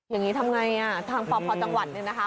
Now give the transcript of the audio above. อย่างนี้ทำไงทางปพจังหวัดเนี่ยนะคะ